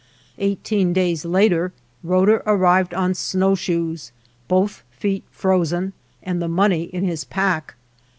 Eighteen days I later Roeder arrived on snowshoes, both /feet frozen, and the money in his pack.